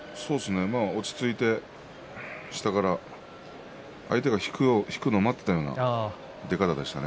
落ち着いて下から相手が引くのを待っていたような出方でしたね。